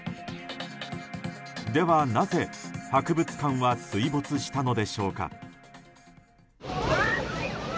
では、なぜ博物館は水没したのでしょうか。